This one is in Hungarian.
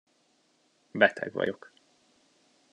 Beteg vagyok.